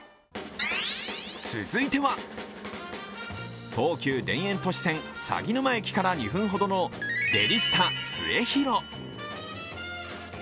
続いては、東急田園都市線・鷺沼駅から２分ほどのデリスタスエヒロ。